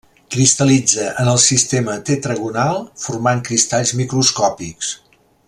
Cristal·litza en el sistema tetragonal, formant cristalls microscòpics.